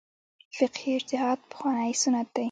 فقهي اجتهاد پخوانی سنت دی.